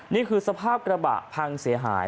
นี่คือสภาพกระบะพังเสียหาย